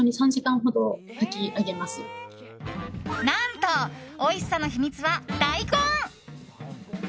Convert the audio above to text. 何とおいしさの秘密は大根。